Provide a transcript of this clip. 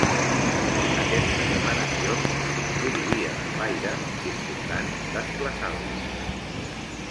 Aquestes emanacions s'introduïen en l'aire circumdant desplaçant-lo.